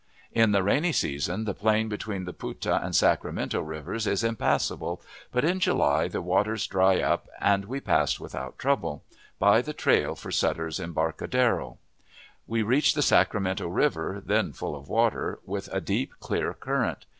In the rainy season, the plain between the Puta and Sacramento Rivers is impassable, but in July the waters dry up; and we passed without trouble, by the trail for Sutter's Embarcadero. We reached the Sacramento River, then full of water, with a deep, clear current.